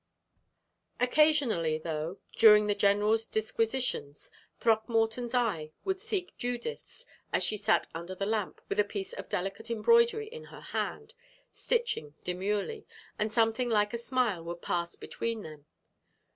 Occasionally, though (during the general's disquisitions), Throckmorton's eye would seek Judith's as she sat under the lamp, with a piece of delicate embroidery in her hand, stitching demurely, and something like a smile would pass between them.